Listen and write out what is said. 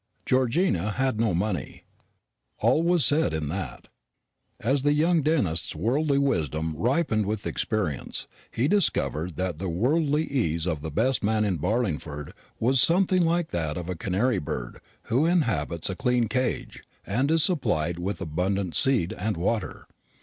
Georgina had no money. All was said in that. As the young dentist's worldly wisdom ripened with experience, he discovered that the worldly ease of the best man in Barlingford was something like that of a canary bird who inhabits a clean cage and is supplied with abundant seed and water.